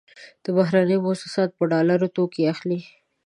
بهرني موسسات په ډالرو توکې اخلي.